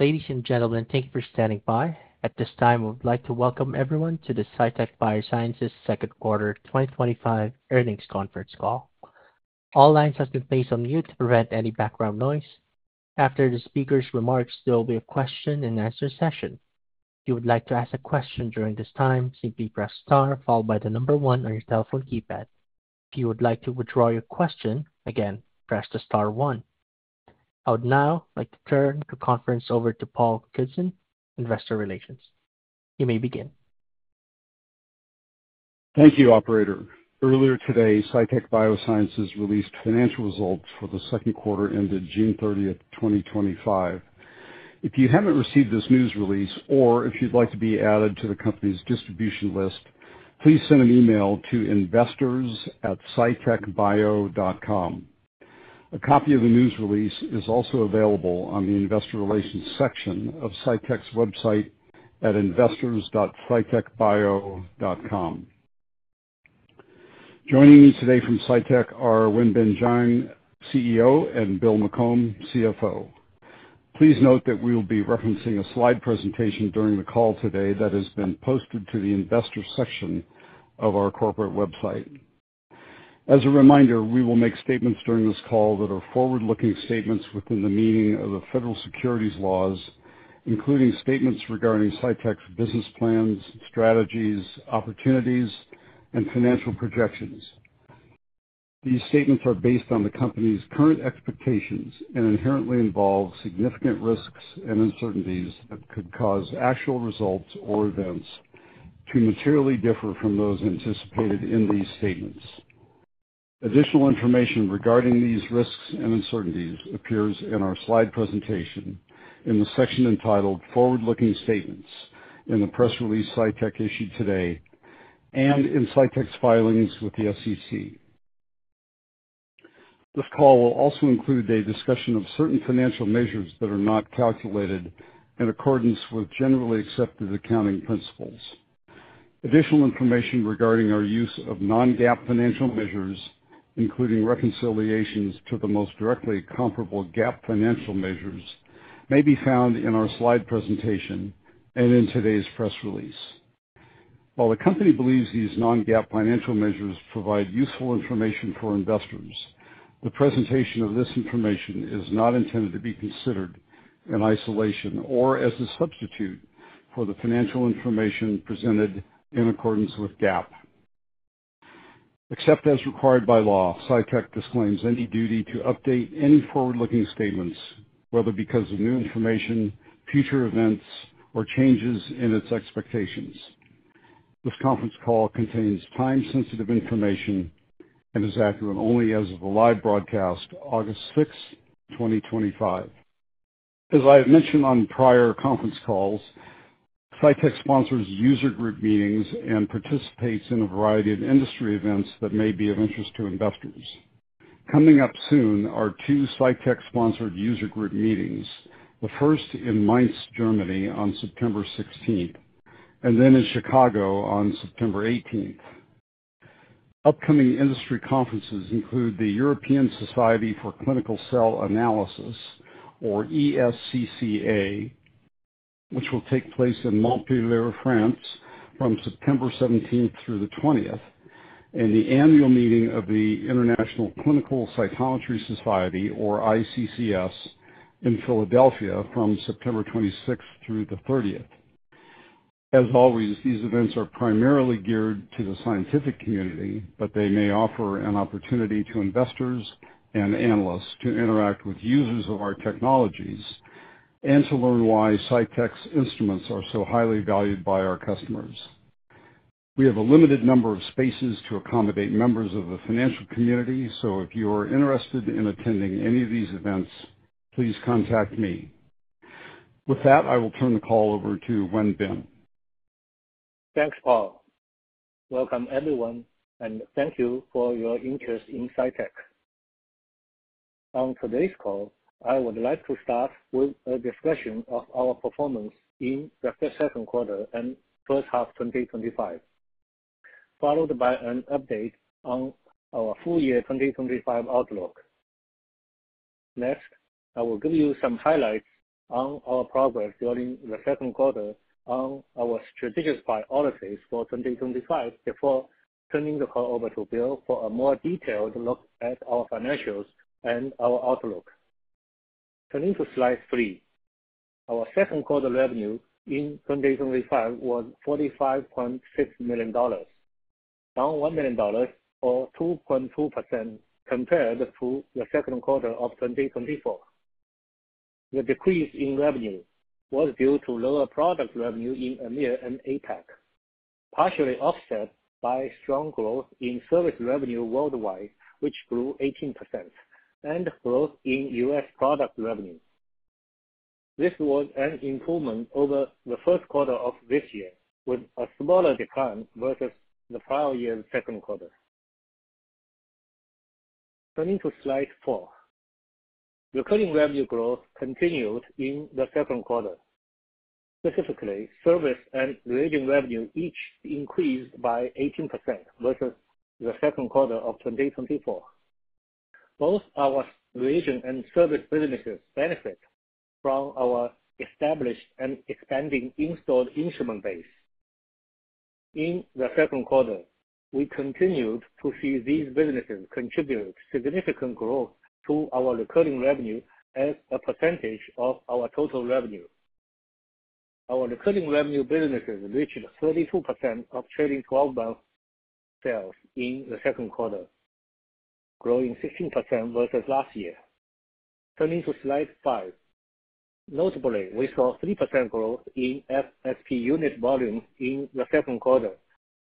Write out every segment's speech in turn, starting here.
Ladies and gentlemen, thank you for standing by. At this time, I would like to welcome everyone to the Cytek Biosciences Wenbin Jiang second quarter 2025 earnings conference call. All lines have been placed on mute to prevent any background noise. After the speaker's remarks, there will be a question and answer session. If you would like to ask a question during this time, simply press star followed by the number one on your telephone keypad. If you would like to withdraw your question, again, press the star one. I would now like to turn the conference over to Paul Goodson, Investor Relations. You may begin. Thank you, Operator. Earlier today, Cytek Biosciences released financial results for the second quarter ended June 30th, 2025. If you haven't received this news release or if you'd like to be added to the company's distribution list, please send an email to investors@cytekbio.com. A copy of the news release is also available on the Investor Relations section of Cytek's website at investors.cytekbio.com. Joining me today from Cytek are Wenbin Jiang, CEO, and Bill McCombe, CFO. Please note that we will be referencing a slide presentation during the call today that has been posted to the Investor section of our corporate website. As a reminder, we will make statements during this call that are forward-looking statements within the meaning of the Federal Securities Laws, including statements regarding Cytek's business plans, strategies, opportunities, and financial projections. These statements are based on the company's current expectations and inherently involve significant risks and uncertainties that could cause actual results or events to materially differ from those anticipated in these statements. Additional information regarding these risks and uncertainties appears in our slide presentation in the section entitled Forward-Looking Statements in the Press Release Cytek issued today and in Cytek's filings with the SEC. This call will also include a discussion of certain financial measures that are not calculated in accordance with generally accepted accounting principles. Additional information regarding our use of non-GAAP financial measures, including reconciliations to the most directly comparable GAAP financial measures, may be found in our slide presentation and in today's press release. While the company believes these non-GAAP financial measures provide useful information for investors, the presentation of this information is not intended to be considered in isolation or as a substitute for the financial information presented in accordance with GAAP. Except as required by law, Cytek disclaims any duty to update any forward-looking statements, whether because of new information, future events, or changes in its expectations. This conference call contains time-sensitive information and is accurate only as of the live broadcast, August 6, 2025. As I have mentioned on prior conference calls, Cytek sponsors user group meetings and participates in a variety of industry events that may be of interest to investors. Coming up soon are two Cytek-sponsored user group meetings, the first in Mainz, Germany, on September 16, and then in Chicago on September 18. Upcoming industry conferences include the European Society for Clinical Cell Analysis, or ESCCA, which will take place in Montpellier, France, from September 17 through the 20, and the annual meeting of the International Clinical Cytometry Society, or ICCS, in Philadelphia from September 26 through the 30th. As always, these events are primarily geared to the scientific community, but they may offer an opportunity to investors and analysts to interact with users of our technologies and to learn why Cytek's instruments are so highly valued by our customers. We have a limited number of spaces to accommodate members of the financial community, so if you are interested in attending any of these events, please contact me. With that, I will turn the call over to Wenbin. Thanks, Paul. Welcome, everyone, and thank you for your interest in Cytek. On today's call, I would like to start with a discussion of our performance in the first quarter and first half 2025, followed by an update on our full-year 2025 outlook. Next, I will give you some highlights on our progress during the second quarter on our strategic priorities for 2025 before turning the call over to Bill for a more detailed look at our financials and our outlook. Turning to slide three, our second quarter revenue in 2025 was $45.6 million, down $1 million or 2.2% compared to the second quarter of 2024. The decrease in revenue was due to lower product revenue in EMEA and APAC, partially offset by strong growth in service revenue worldwide, which grew 18%, and growth in U.S. product revenue. This was an improvement over the first quarter of this year, with a smaller decline versus the prior year's second quarter. Turning to slide four, recurring revenue growth continued in the second quarter. Specifically, service and reagent revenue each increased by 18% versus the second quarter of 2024. Both our reagent and service businesses benefit from our established and expanding installed instrument base. In the second quarter, we continued to see these businesses contribute significant growth to our recurring revenue as a percentage of our total revenue. Our recurring revenue businesses reached 32% of trailing 12-month sales in the second quarter, growing 16% versus last year. Turning to slide five, notably, we saw 3% growth in FSP unit volume in the second quarter,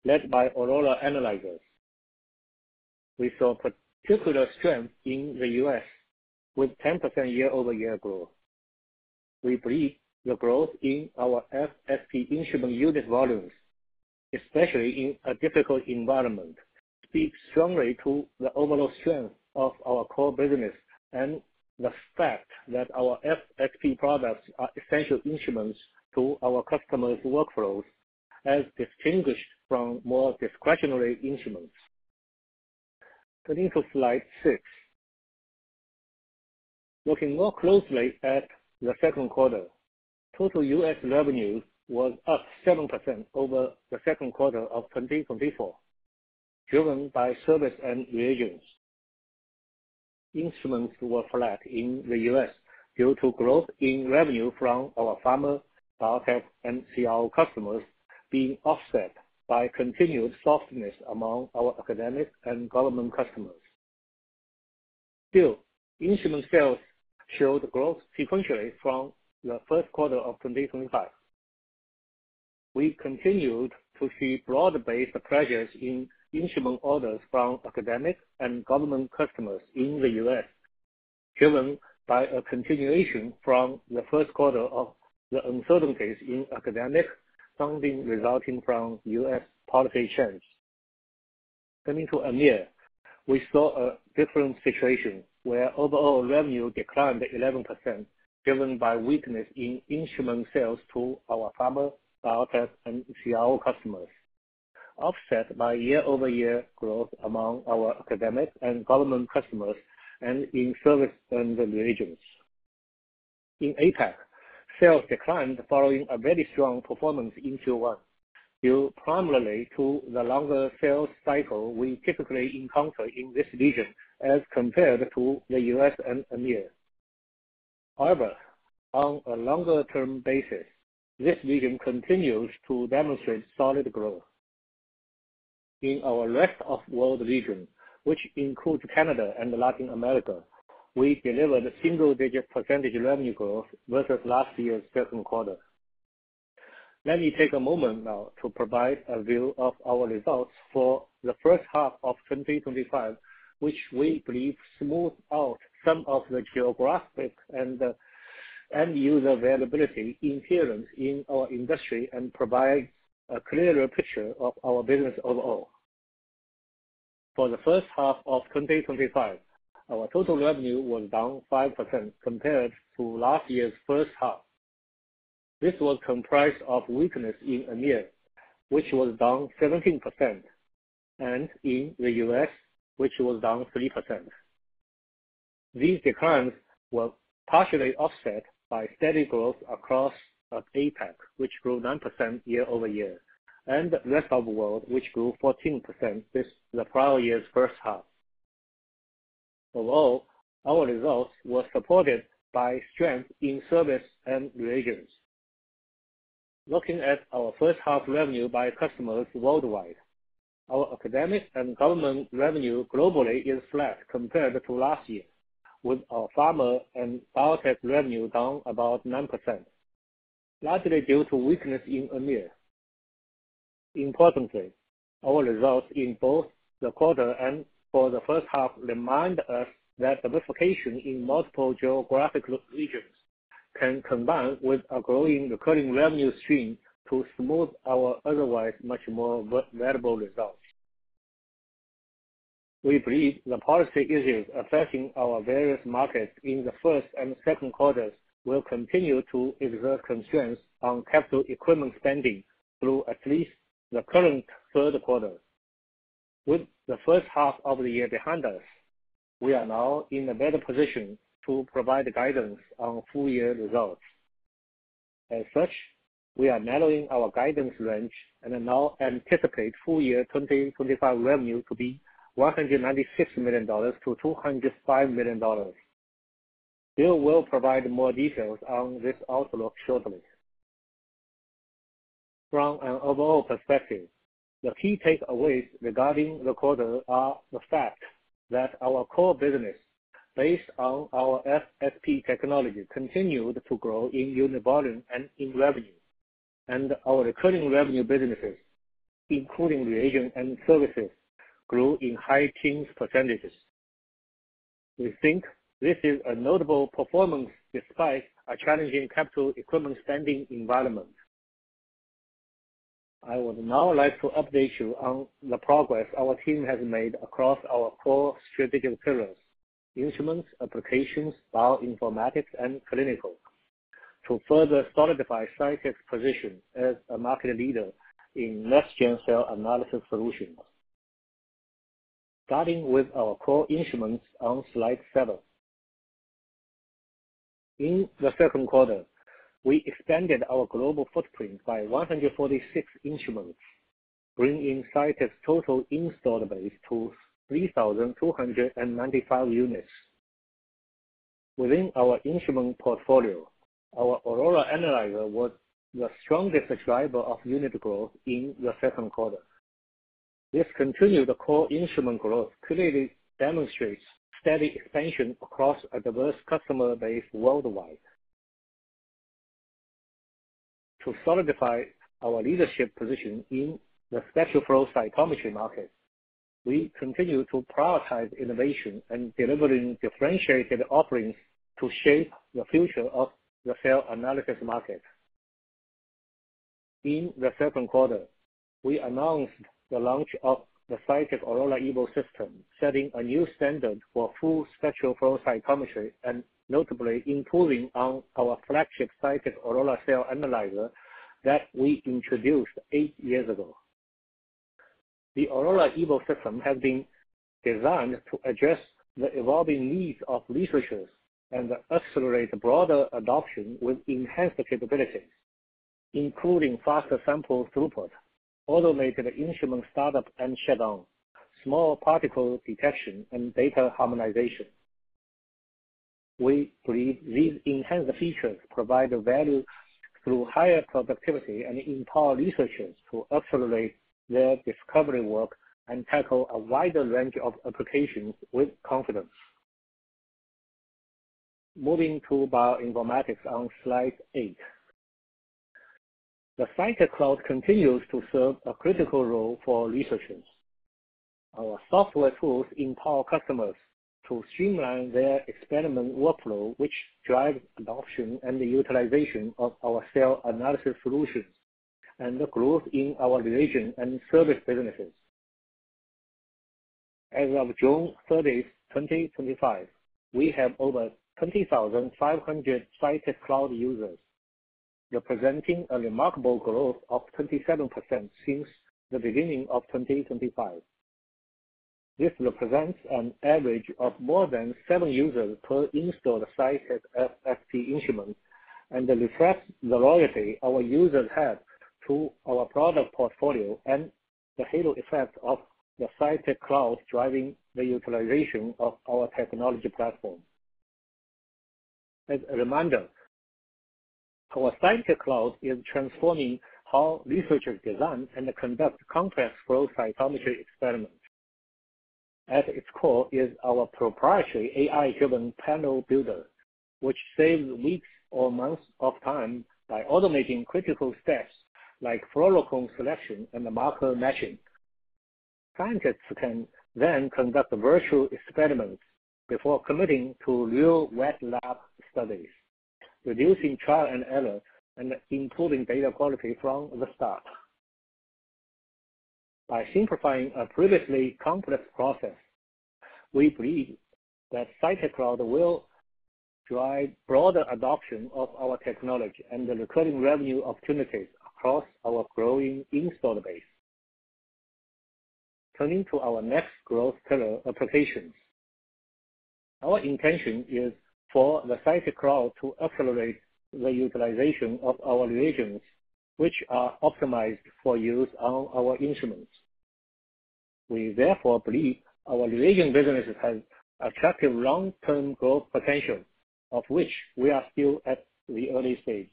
led by Aurora Analyzers. We saw particular strength in the U.S., with 10% year-over-year growth. We believe the growth in our FSP instrument unit volumes, especially in a difficult environment, speaks strongly to the overall strength of our core business and the fact that our FSP products are essential instruments to our customers' workflows, as distinguished from more discretionary instruments. Turning to slide six, looking more closely at the second quarter, total U.S. revenue was up 7% over the second quarter of 2024, driven by service and reagents. Instruments were flat in the U.S. due to growth in revenue from our pharma, biotech, and CRO customers being offset by continued softness among our academic and government customers. Still, instrument sales showed growth sequentially from the first quarter of 2025. We continued to see broad-based pressures in instrument orders from academic and government customers in the U.S., driven by a continuation from the first quarter of the uncertainties in academic funding resulting from U.S. policy change. Coming to EMEA, we saw a different situation where overall revenue declined 11%, driven by weakness in instrument sales to our pharma, biotech, and CRO customers, offset by year-over-year growth among our academic and government customers and in service and reagents. In APAC, sales declined following a very strong performance in Q1, due primarily to the longer sales cycle we typically encounter in this region as compared to the U.S. and EMEA. However, on a longer-term basis, this region continues to demonstrate solid growth. In our rest of the world region, which includes Canada and Latin America, we delivered single-digit percentage revenue growth versus last year's second quarter. Let me take a moment now to provide a view of our results for the first half of 2025, which we believe smoothed out some of the geographic and the end-user availability interference in our industry and provides a clearer picture of our business overall. For the first half of 2025, our total revenue was down 5% compared to last year's first half. This was comprised of weakness in EMEA, which was down 17%, and in the U.S., which was down 3%. These declines were partially offset by steady growth across APAC, which grew 9% year-over-year, and the rest of the world, which grew 14% since the prior year's first half. Overall, our results were supported by strength in service and reagents. Looking at our first half revenue by customers worldwide, our academic and government revenue globally is flat compared to last year, with our pharma and biotech revenue down about 9%, largely due to weakness in EMEA. Importantly, our results in both the quarter and for the first half remind us that diversification in multiple geographical regions can combine with a growing recurring revenue stream to smooth our otherwise much more variable results. We believe the policy issues affecting our various markets in the first and second quarters will continue to exert constraints on capital equipment spending through at least the current third quarter. With the first half of the year behind us, we are now in a better position to provide guidance on full-year results. As such, we are narrowing our guidance range and now anticipate full-year 2025 revenue to be $196 million-$205 million. Bill will provide more details on this outlook shortly. From an overall perspective, the key takeaways regarding the quarter are the fact that our core business, based on our FSP technology, continued to grow in unit volume and in revenue, and our recurring revenue businesses, including reagents and services, grew in high percentage ranges. We think this is a notable performance despite a challenging capital equipment spending environment. I would now like to update you on the progress our team has made across our core strategic pillars, instruments, applications, bioinformatics, and clinical, to further solidify Cytek Biosciences' position as a market leader in next-gen cell analysis solutions. Starting with our core instruments on slide seven. In the second quarter, we expanded our global footprint by 146 instruments, bringing Cytek Biosciences' total installed base to 3,295 units. Within our instrument portfolio, our Aurora Analyzer was the strongest driver of unit growth in the second quarter. This continued core instrument growth clearly demonstrates steady expansion across a diverse customer base worldwide. To solidify our leadership position in the special flow cytometry market, we continue to prioritize innovation and delivering differentiated offerings to shape the future of the cell analysis market. In the second quarter, we announced the launch of the Cytek Aurora Evo system, setting a new standard for full spectral flow cytometry and notably improving on our flagship Cytek Aurora Analyzer that we introduced eight years ago. The Aurora Evo system has been designed to address the evolving needs of researchers and accelerate broader adoption with enhanced capabilities, including faster sample throughput, automated instrument startup and shutdown, small particle detection, and data harmonization. We believe these enhanced features provide value through higher productivity and empower researchers to accelerate their discovery work and tackle a wider range of applications with confidence. Moving to bioinformatics on slide eight, the Cytek Cloud continues to serve a critical role for researchers. Our software tools empower customers to streamline their experiment workflow, which drives adoption and the utilization of our cell analysis solutions and the growth in our reagent and service businesses. As of June 30, 2025, we have over 20,500 Cytek Cloud users, representing a remarkable growth of 27% since the beginning of 2025. This represents an average of more than seven users per installed Cytek FSP instrument and reflects the loyalty our users have to our product portfolio and the halo effect of the Cytek Cloud driving the utilization of our technology platform. As a reminder, our Cytek Cloud is transforming how researchers design and conduct complex flow cytometry experiments. At its core is our proprietary AI-driven panel builder, which saves weeks or months of time by automating critical steps like flow look-hold selection and marker matching. Scientists can then conduct virtual experiments before committing to real wet lab studies, reducing trial and error and improving data quality from the start. By simplifying a previously complex process, we believe that Cytek Cloud will drive broader adoption of our technology and recurring revenue opportunities across our growing installed base. Turning to our next growth pillar, applications, our intention is for the Cytek Cloud to accelerate the utilization of our reagents, which are optimized for use on our instruments. We therefore believe our reagent businesses have attractive long-term growth potential, of which we are still at the early stage.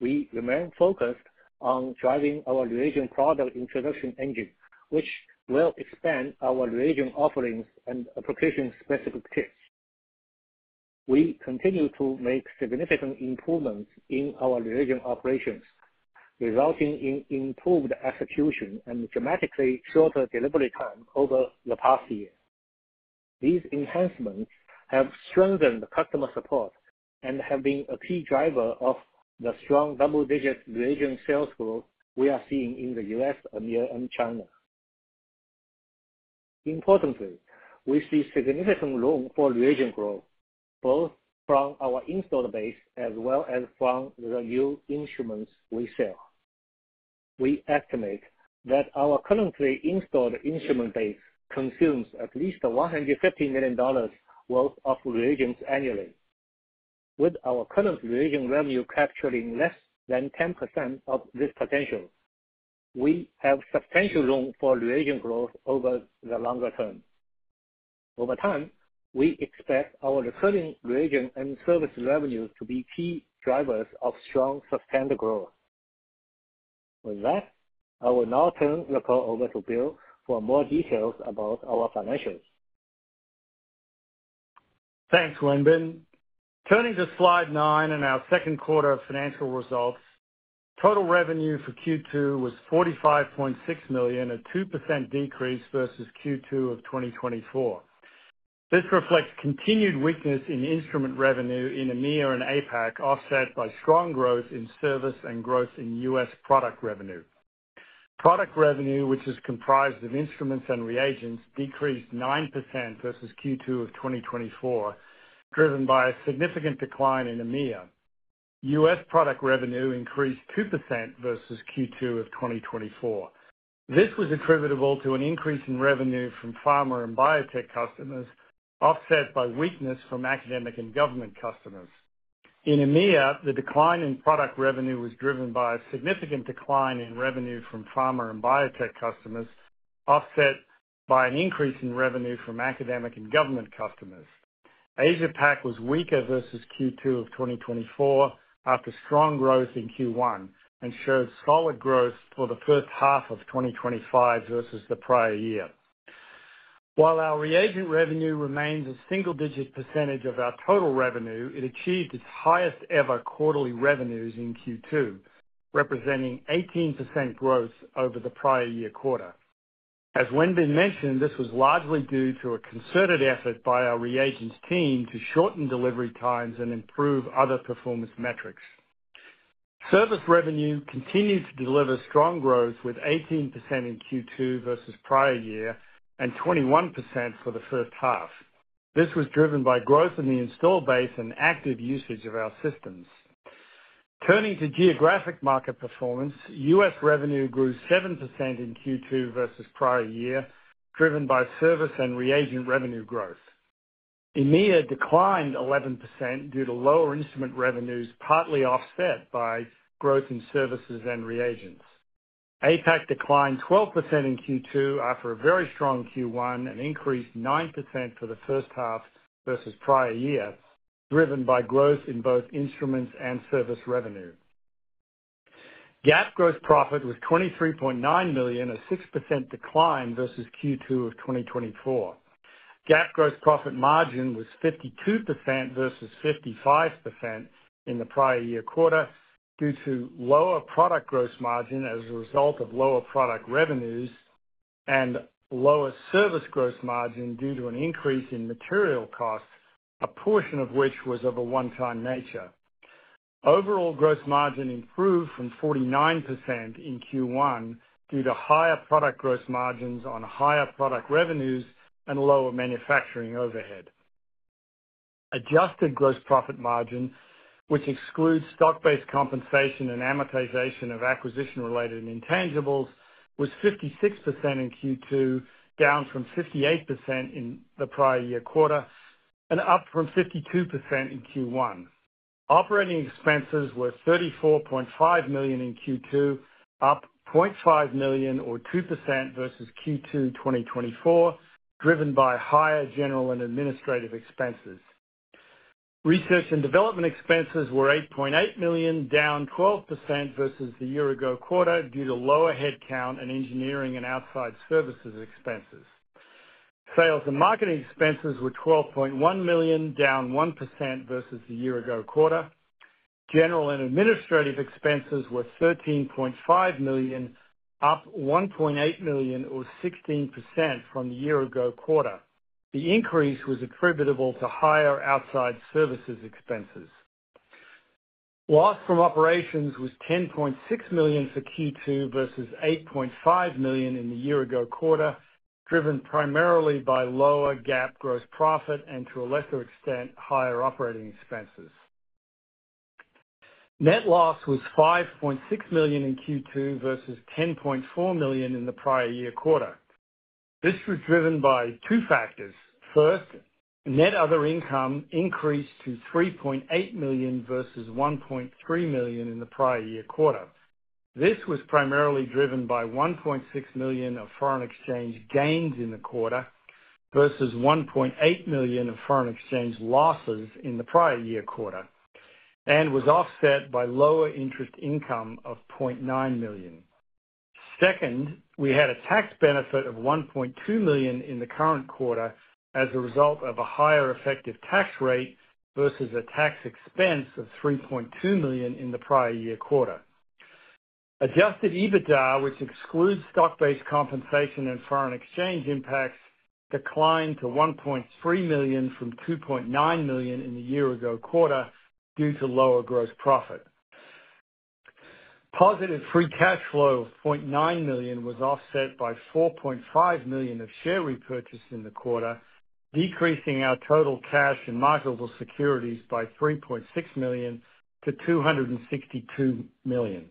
We remain focused on driving our reagent product introduction engine, which will expand our reagent offerings and application-specific tips. We continue to make significant improvements in our reagent operations, resulting in improved execution and dramatically shorter delivery time over the past year. These enhancements have strengthened customer support and have been a key driver of the strong double-digit reagent sales growth we are seeing in the US, EMEA, and China. Importantly, we see significant room for reagent growth, both from our installed base as well as from the new instruments we sell. We estimate that our currently installed instrument base consumes at least $150 million worth of reagents annually. With our current reagent revenue capturing less than 10% of this potential, we have substantial room for reagent growth over the longer-term. Over time, we expect our recurring reagent and service revenues to be key drivers of strong sustained growth. With that, I will now turn the call over to Bill for more details about our financials. Thanks, Wenbin. Turning to slide nine in our second quarter of financial results, total revenue for Q2 was $45.6 million, a 2% decrease versus Q2 of 2024. This reflects continued weakness in instrument revenue in EMEA and APAC, offset by strong growth in service and growth in U.S. product revenue. Product revenue, which is comprised of instruments and reagents, decreased 9% versus Q2 of 2024, driven by a significant decline in EMEA. U.S. product revenue increased 2% versus Q2 of 2024. This was attributable to an increase in revenue from pharma and biotech customers, offset by weakness from academic and government customers. In EMEA, the decline in product revenue was driven by a significant decline in revenue from pharma and biotech customers, offset by an increase in revenue from academic and government customers. APAC was weaker versus Q2 of 2024 after strong growth in Q1 and showed solid growth for the first half of 2025 versus the prior year. While our reagent revenue remains a single-digit percentage of our total revenue, it achieved its highest ever quarterly revenues in Q2, representing 18% growth over the prior year quarter. As Wenbin mentioned, this was largely due to a concerted effort by our reagents team to shorten delivery times and improve other performance metrics. Service revenue continued to deliver strong growth with 18% in Q2 versus prior year and 21% for the first half. This was driven by growth in the installed base and active usage of our systems. Turning to geographic market performance, U.S. revenue grew 7% in Q2 versus prior year, driven by service and reagent revenue growth. EMEA declined 11% due to lower instrument revenues, partly offset by growth in services and reagents. APAC declined 12% in Q2 after a very strong Q1 and increased 9% for the first half versus prior year, driven by growth in both instruments and service revenue. GAAP gross profit was $23.9 million, a 6% decline versus Q2 of 2024. GAAP gross profit margin was 52% versus 55% in the prior year quarter due to lower product gross margin as a result of lower product revenues and lower service gross margin due to an increase in material costs, a portion of which was of a one-time nature. Overall gross margin improved from 49% in Q1 due to higher product gross margins on higher product revenues and lower manufacturing overhead. Adjusted gross profit margin, which excludes stock-based compensation and amortization of acquisition-related intangibles, was 56% in Q2, down from 58% in the prior year quarter and up from 52% in Q1. Operating expenses were $34.5 million in Q2, up $0.5 million or 2% versus Q2 2024, driven by higher general and administrative expenses. Research and development expenses were $8.8 million, down 12% versus the year ago quarter due to lower headcount and engineering and outside services expenses. Sales and marketing expenses were $12.1 million, down 1% versus the year ago quarter. General and administrative expenses were $13.5 million, up $1.8 million or 16% from the year ago quarter. The increase was attributable to higher outside services expenses. Loss from operations was $10.6 million for Q2 versus $8.5 million in the year ago quarter, driven primarily by lower GAAP gross profit and, to a lesser extent, higher operating expenses. Net loss was $5.6 million in Q2 versus $10.4 million in the prior year quarter. This was driven by two factors. First, net other income increased to $3.8 million versus $1.3 million in the prior year quarter. This was primarily driven by $1.6 million of foreign exchange gains in the quarter versus $1.8 million of foreign exchange losses in the prior year quarter and was offset by lower interest income of $0.9 million. Second, we had a tax benefit of $1.2 million in the current quarter as a result of a higher effective tax rate versus a tax expense of $3.2 million in the prior year quarter. Adjusted EBITDA, which excludes stock-based compensation and foreign exchange impacts, declined to $1.3 million from $2.9 million in the year ago quarter due to lower gross profit. Positive free cash flow of $0.9 million was offset by $4.5 million of share repurchase in the quarter, decreasing our total cash and marketable securities by $3.6 million-$262 million.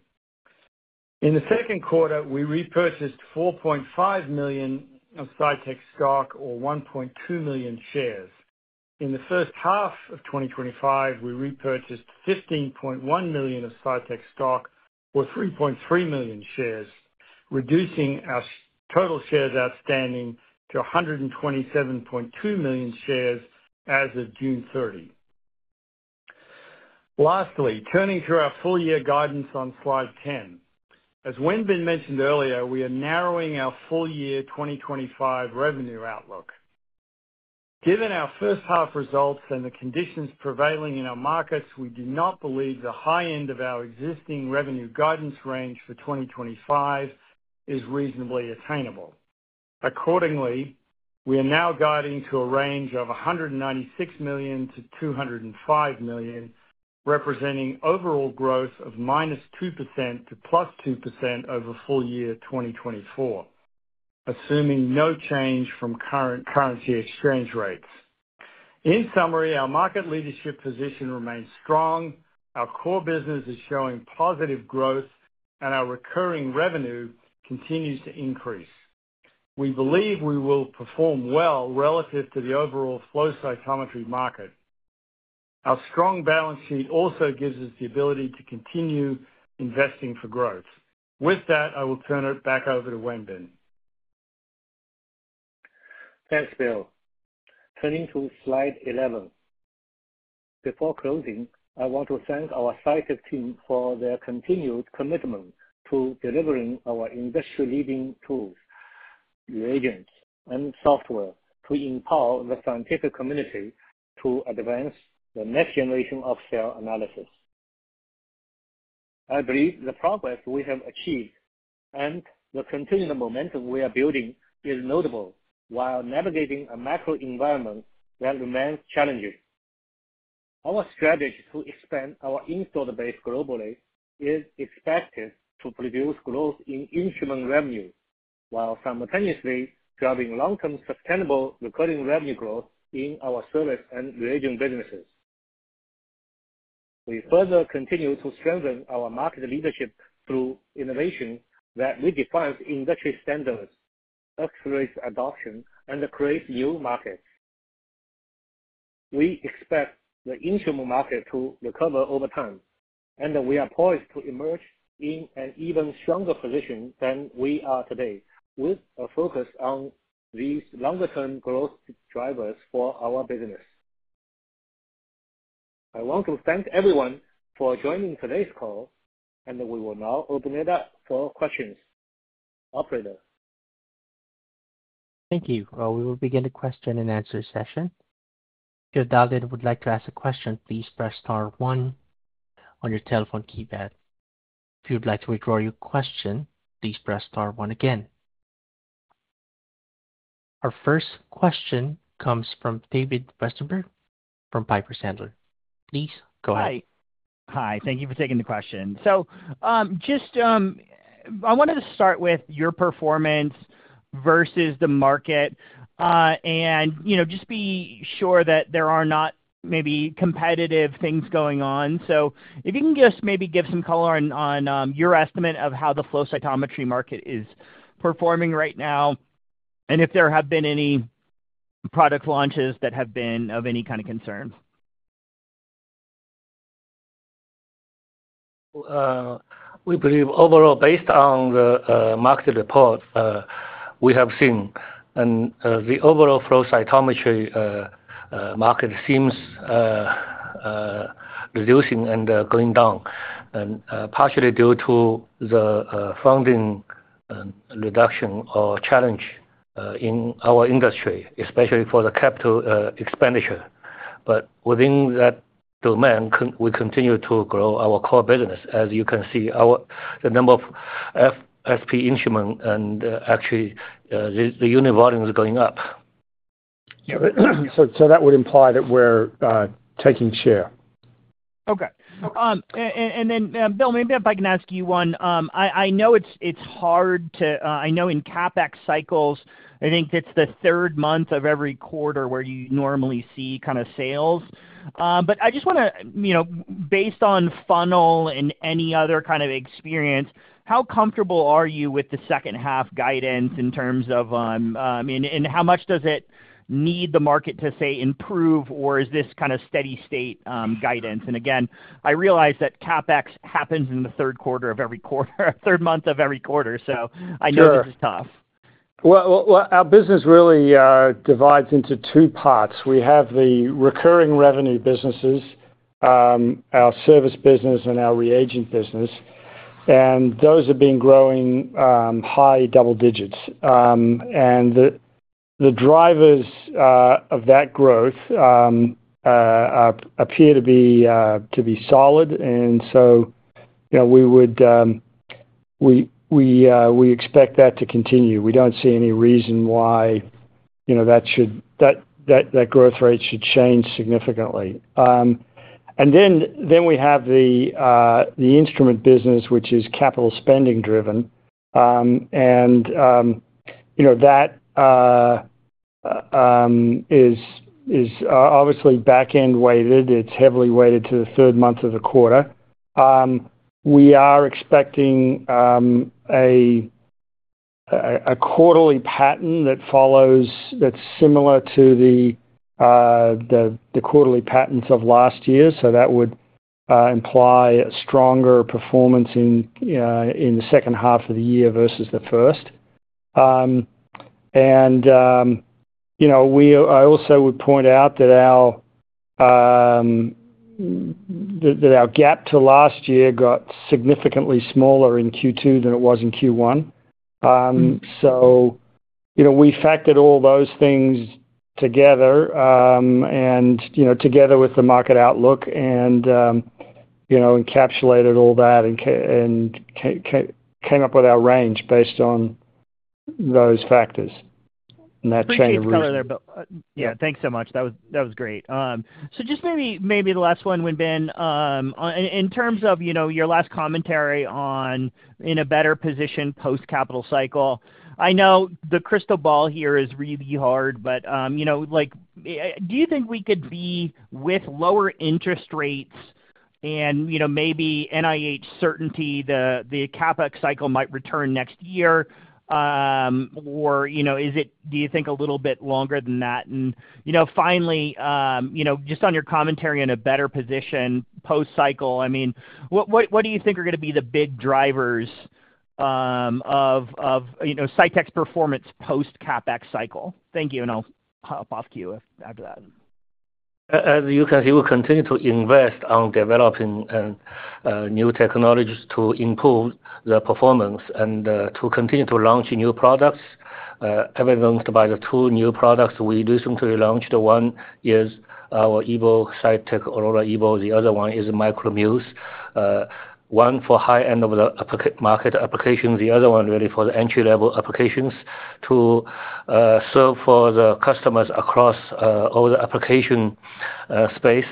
In the second quarter, we repurchased $4.5 million of Cytek stock or 1.2 million shares. In the first half of 2025, we repurchased $15.1 million of Cytek stock or 3.3 million shares, reducing our total shares outstanding to 127.2 million shares as of June 30. Lastly, turning to our full-year guidance on slide 10. As Wenbin mentioned earlier, we are narrowing our full-year 2025 revenue outlook. Given our first half results and the conditions prevailing in our markets, we do not believe the high end of our existing revenue guidance range for 2025 is reasonably attainable. Accordingly, we are now guiding to a range of $196 million-$205 million, representing overall growth of -2%-2% over full-year 2024, assuming no change from current currency exchange rates. In summary, our market leadership position remains strong, our core business is showing positive growth, and our recurring revenue continues to increase. We believe we will perform well relative to the overall flow cytometry market. Our strong balance sheet also gives us the ability to continue investing for growth. With that, I will turn it back over to Wenbin. Thanks, Bill. Turning to slide 11. Before closing, I want to thank our SciTech team for their continued commitment to delivering our industry-leading tools, reagents, and software to empower the scientific community to advance the next generation of cell analysis. I believe the progress we have achieved and the continued momentum we are building is notable while navigating a macro environment that remains challenging. Our strategy to expand our installed base globally is expected to produce growth in instrument revenue while simultaneously driving long-term sustainable recurring revenue growth in our service and reagent businesses. We further continue to strengthen our market leadership through innovation that redefines industry standards, accelerates adoption, and creates new markets. We expect the instrument market to recover over time, and we are poised to emerge in an even stronger position than we are today, with a focus on these longer-term growth drivers for our business. I want to thank everyone for joining today's call, and we will now open it up for questions. Operator. Thank you. We will begin the question and answer session. If you would like to ask a question, please press star one on your telephone keypad. If you'd like to withdraw your question, please press star one again. Our first question comes from David Westenberg from Piper Sandler. Please go ahead. Thank you for taking the question. I wanted to start with your performance versus the market, and just be sure that there are not maybe competitive things going on. If you can just maybe give some color on your estimate of how the flow cytometry market is performing right now and if there have been any product launches that have been of any kind of concern. We believe overall, based on the market report, we have seen the overall flow cytometry market seems reducing and going down, partially due to the funding reduction or challenge in our industry, especially for the capital expenditure. Within that domain, we continue to grow our core business. As you can see, the number of FSP instruments and actually the unit volume is going up. Yeah. That would imply that we're taking share. Okay. Bill, maybe if I can ask you one, I know it's hard to, I know in CapEx cycles, I think it's the third month of every quarter where you normally see kind of sales. I just want to, you know, based on funnel and any other kind of experience, how comfortable are you with the second half guidance in terms of, I mean, and how much does it need the market to, say, improve, or is this kind of steady-state guidance? I realize that CapEx happens in the third month of every quarter. I know this is tough. Our business really divides into two parts. We have the recurring revenue businesses, our service business, and our reagent business, and those have been growing high double-digits. The drivers of that growth appear to be solid, and we expect that to continue. We don't see any reason why that growth rate should change significantly. We have the instrument business, which is capital spending driven, and that is obviously back-end weighted. It's heavily weighted to the third month of the quarter. We are expecting a quarterly pattern that follows that's similar to the quarterly patterns of last year. That would imply a stronger performance in the second half of the year versus the first. I also would point out that our gap to last year got significantly smaller in Q2 than it was in Q1. We factored all those things together, and together with the market outlook, encapsulated all that and came up with our range based on those factors and that chain of reasons. Just a comment there, Bill. Yeah, thanks so much. That was great. Maybe the last one, Wenbin, in terms of your last commentary on in a better position post-capital cycle. I know the crystal ball here is really hard, but do you think we could be with lower interest rates and maybe NIH certainty the CapEx cycle might return next year? Do you think a little bit longer than that? Finally, just on your commentary on a better position post-cycle, what do you think are going to be the big drivers of Cytek Biosciences' performance post-CapEx cycle? Thank you. I'll hop off cue after that. As you continue to invest on developing new technologies to improve the performance and to continue to launch new products, every month by the two new products we recently launched, one is our Cytek Aurora Evo, the other one is Muse Micro, one for high-end of the market applications, the other one really for the entry-level applications to serve for the customers across all the application space.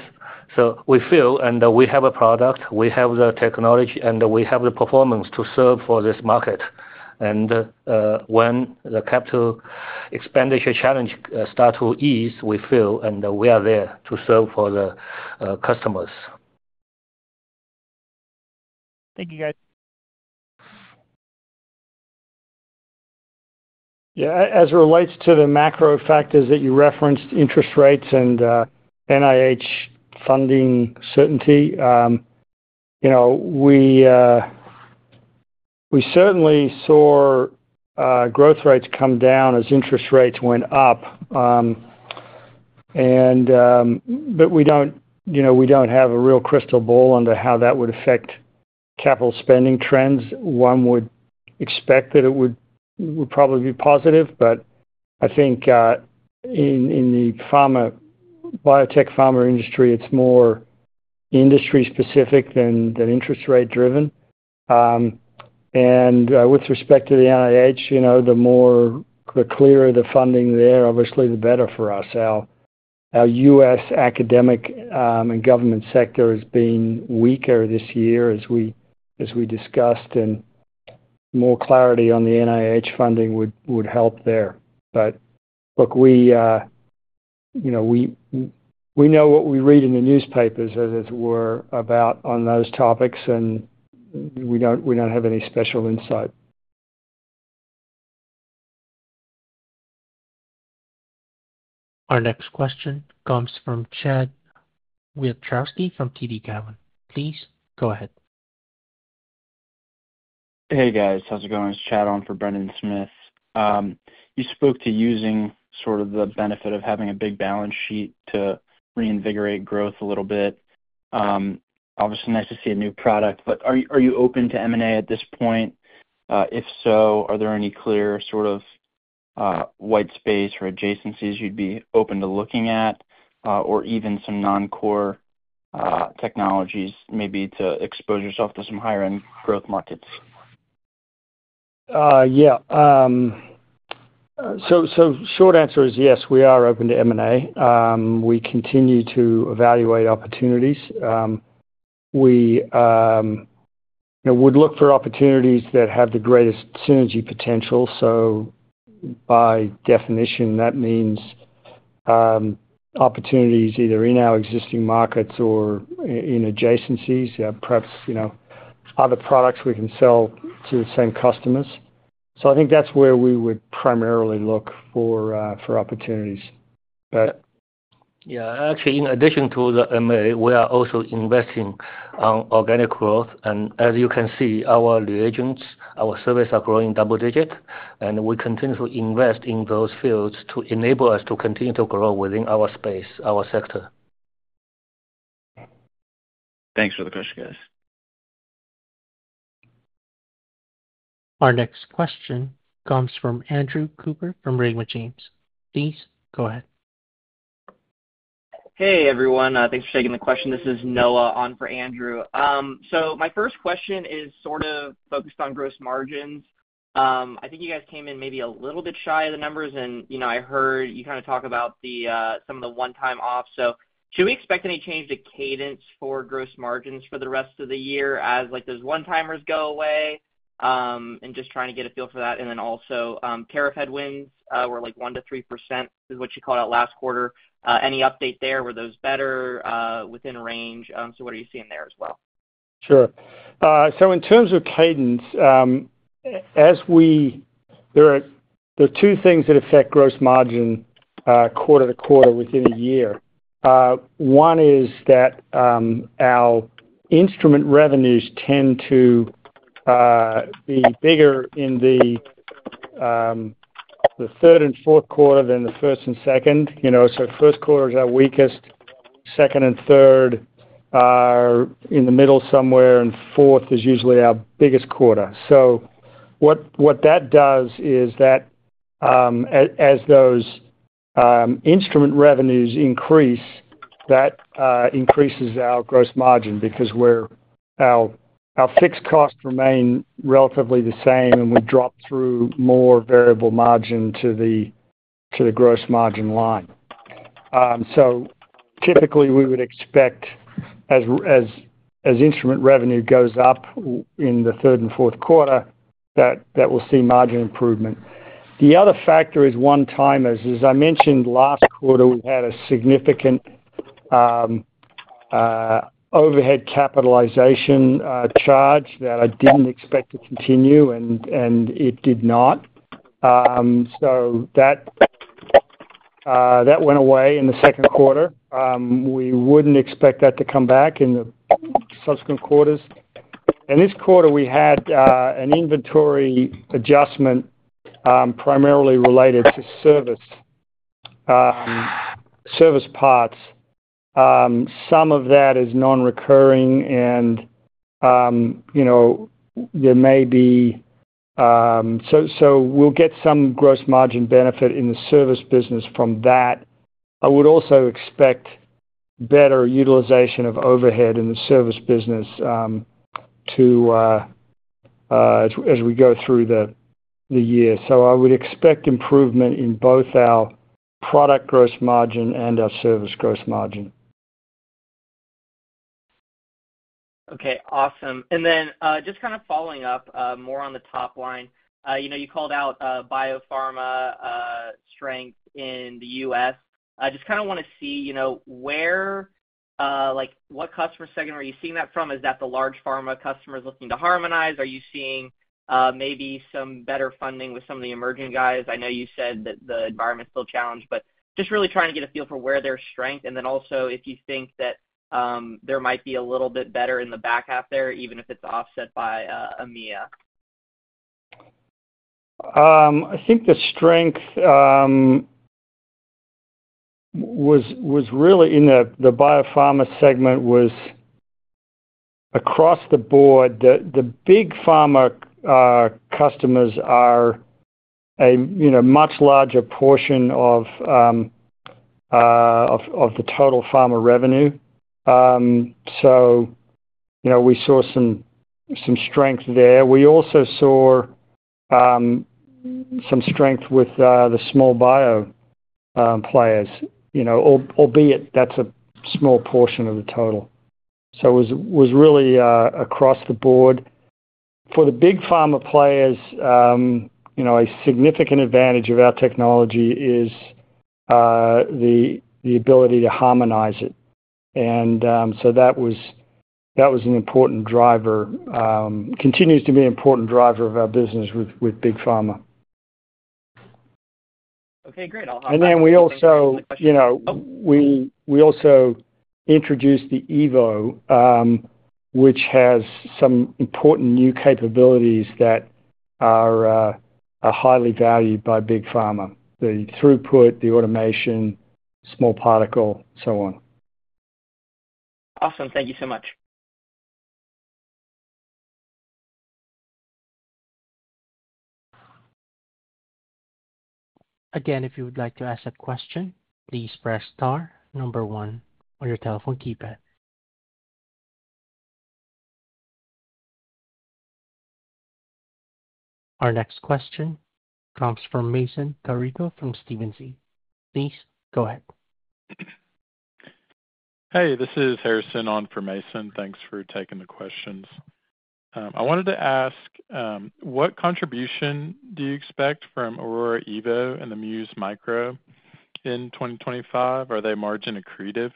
We feel and we have a product, we have the technology, and we have the performance to serve for this market. When the capital expenditure challenge starts to ease, we feel and we are there to serve for the customers. Thank you, guys. Yeah, as it relates to the macro factors that you referenced, interest rates and NIH funding certainty, we certainly saw growth rates come down as interest rates went up. We don't have a real crystal ball under how that would affect capital spending trends. One would expect that it would probably be positive, but I think in the pharma, biotech pharma industry, it's more industry-specific than interest-rate driven. With respect to the NIH, the more the clearer the funding there, obviously the better for us. Our U.S. academic and government sector has been weaker this year, as we discussed, and more clarity on the NIH funding would help there. We know what we read in the newspapers, as it were, about those topics, and we don't have any special insight. Our next question comes from Chad Wiatkowski from TD Cowen. Please go ahead. Hey, guys. How's it going? It's Chad on for Brendan Smith. You spoke to using the benefit of having a big balance sheet to reinvigorate growth a little bit. Obviously, nice to see a new product, but are you open to M&A at this point? If so, are there any clear white space or adjacencies you'd be open to looking at or even some non-core technologies maybe to expose yourself to some higher-end growth markets? Yeah. The short answer is yes, we are open to M&A. We continue to evaluate opportunities. We would look for opportunities that have the greatest synergy potential. By definition, that means opportunities either in our existing markets or in adjacencies, perhaps, you know, other products we can sell to the same customers. I think that's where we would primarily look for opportunities. Yeah. Actually, in addition to the M&A, we are also investing on organic growth. As you can see, our reagents, our service are growing double digit, and we continue to invest in those fields to enable us to continue to grow within our space, our sector. Thanks for the question, guys. Our next question comes from Andrew Cooper from Raymond James. Please go ahead. Hey, everyone. Thanks for taking the question. This is Noah on for Andrew. My first question is sort of focused on gross margins. I think you guys came in maybe a little bit shy of the numbers, and I heard you kind of talk about some of the one-time offs. Should we expect any change to cadence for gross margins for the rest of the year as those one-timers go away? Just trying to get a feel for that. Also, tariff headwinds were like 1%-3% is what you called out last quarter. Any update there? Were those better within range? What are you seeing there as well? Sure. In terms of cadence, there are two things that affect gross margin quarter to quarter within a year. One is that our instrument revenues tend to be bigger in the third and fourth quarter than the first and second. First quarter is our weakest. Second and third are in the middle somewhere, and fourth is usually our biggest quarter. What that does is that as those instrument revenues increase, that increases our gross margin because our fixed costs remain relatively the same and would drop through more variable margin to the gross margin line. Typically, we would expect as instrument revenue goes up in the third and fourth quarter that we'll see margin improvement. The other factor is one-timers. As I mentioned, last quarter, we had a significant overhead capitalization charge that I didn't expect to continue, and it did not. That went away in the second quarter. We wouldn't expect that to come back in the subsequent quarters. This quarter, we had an inventory adjustment primarily related to service parts. Some of that is non-recurring, and there may be. We'll get some gross margin benefit in the service business from that. I would also expect better utilization of overhead in the service business as we go through the year. I would expect improvement in both our product gross margin and our service gross margin. Okay. Awesome. Just kind of following up more on the top line, you know, you called out biopharma strength in the US. I just kind of want to see, you know, where, like what customer segment are you seeing that from? Is that the large pharma customers looking to harmonize? Are you seeing maybe some better funding with some of the emerging guys? I know you said that the environment's still challenged, just really trying to get a feel for where there's strength and then also if you think that there might be a little bit better in the back half there, even if it's offset by EMEA. I think the strength was really in the biopharma segment, was across the board. The big pharma customers are a much larger portion of the total pharma revenue. We saw some strength there. We also saw some strength with the small bio players, albeit that's a small portion of the total. It was really across the board. For the big pharma players, a significant advantage of our technology is the ability to harmonize it. That was an important driver and continues to be an important driver of our business with big pharma players. Okay. Great. I'll hop off. We also introduced the Cytek Aurora Evo, which has some important new capabilities that are highly valued by big pharma: the throughput, the automation, small particle, and so on. Awesome. Thank you so much. Again, if you would like to ask a question, please press star number one on your telephone keypad. Our next question comes from Mason Carrito from Stephens. Please go ahead. Hey, this is Harrison on for Mason. Thanks for taking the questions. I wanted to ask, what contribution do you expect from Aurora Evo and the Muse Micro in 2025? Are they margin accretive?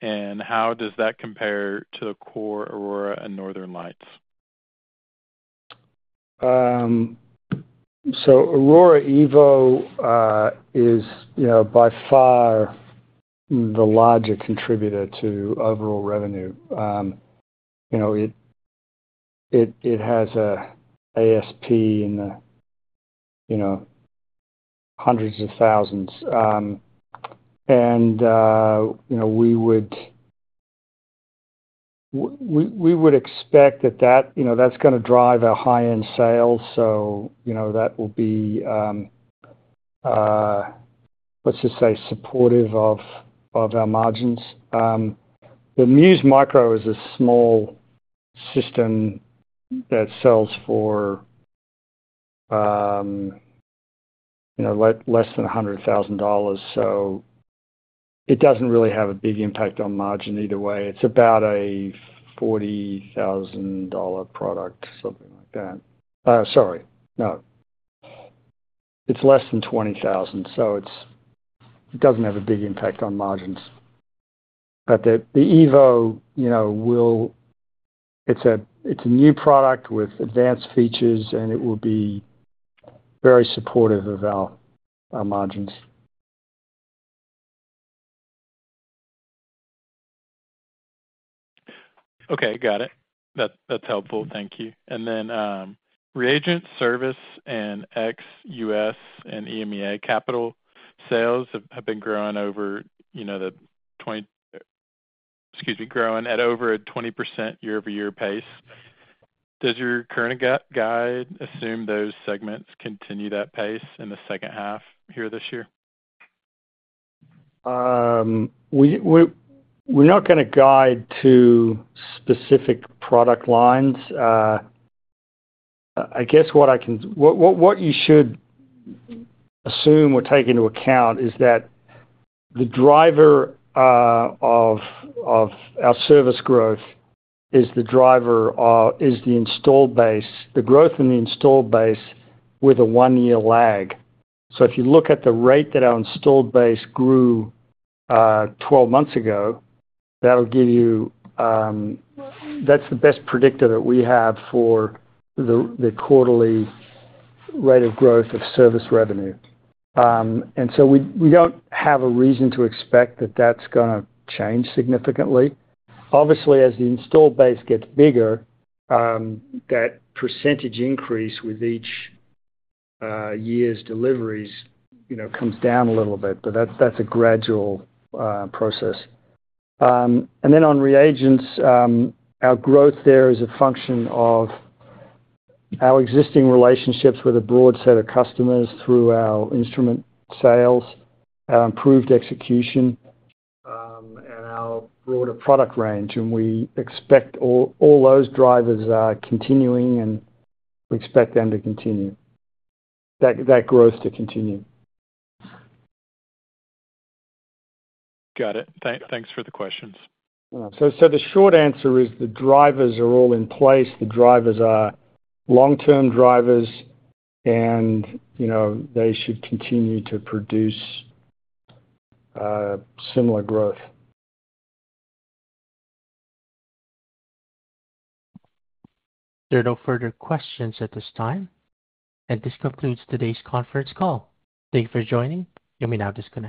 How does that compare to the core Aurora and Northern Lights? Aurora Evo is by far the larger contributor to overall revenue. It has an ASP in the hundreds of thousands, and we would expect that that's going to drive a high-end sale. That will be, let's just say, supportive of our margins. The Muse Micro is a small system that sells for less than $100,000, so it doesn't really have a big impact on margin either way. It's about a $40,000 product, something like that. Sorry, no, it's less than $20,000, so it doesn't have a big impact on margins. The Evo is a new product with advanced features, and it will be very supportive of our margins. Okay. Got it. That's helpful. Thank you. Reagent, service, and ex-U.S. and EMEA capital sales have been growing at over a 20% year-over-year pace. Does your current guide assume those segments continue that pace in the second half here this year? We're not going to guide to specific product lines. What you should assume or take into account is that the driver of our service growth is the driver of the installed base, the growth in the installed base with a one-year lag. If you look at the rate that our installed base grew 12 months ago, that's the best predictor that we have for the quarterly rate of growth of service revenue. We don't have a reason to expect that that's going to change significantly. Obviously, as the installed base gets bigger, that percentage increase with each year's deliveries comes down a little bit, but that's a gradual process. On reagents, our growth there is a function of our existing relationships with a broad set of customers through our instrument sales, our improved execution, and our broader product range. We expect all those drivers are continuing, and we expect them to continue, that growth to continue. Got it. Thanks for the questions. The short answer is the drivers are all in place. The drivers are long-term drivers, and you know, they should continue to produce similar growth. There are no further questions at this time. This concludes today's conference call. Thank you for joining. You may now disconnect.